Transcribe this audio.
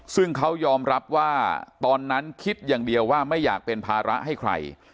ซึ่งเขายอมรับว่าตอนนั้นคิดอย่างเดียวว่าไม่อยากเป็นภาระให้ใคร